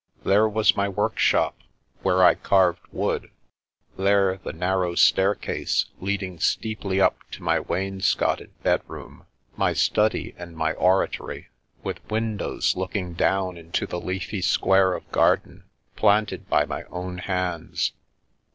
There was my workshop, where I carved wood; there the narrow staircase ieadii^ steeply up to my wainscoted bedroom, my study, and my oratory, with windows looking down into the leafy square of garden, planted by my own hands.